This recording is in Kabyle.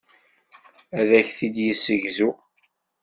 Ad ak-t-id-yessegzu.